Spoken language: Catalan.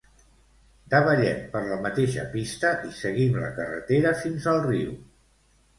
Davallem per la mateixa pista i seguim la carretera fins al riu.